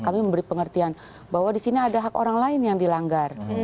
kami memberi pengertian bahwa di sini ada hak orang lain yang dilanggar